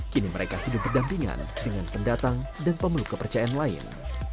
kini mereka hidup berdampingan dengan pendatang dan pemeluk kepercayaan lain